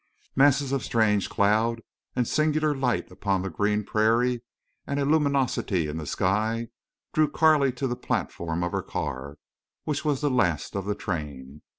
Masses of strange cloud and singular light upon the green prairie, and a luminosity in the sky, drew Carley to the platform of her car, which was the last of the train.